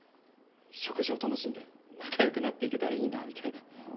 食事を楽しんで仲よくなっていけたらいいなみたいな。